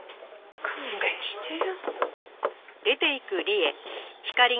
勘弁してよ。